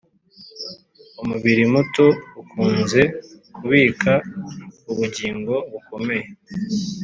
umubiri muto ukunze kubika ubugingo bukomeye.